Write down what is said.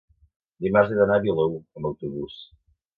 dimarts he d'anar a Vilaür amb autobús.